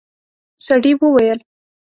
سړي وويل: